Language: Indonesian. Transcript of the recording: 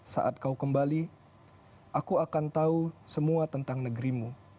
saat kau kembali aku akan tahu semua tentang negerimu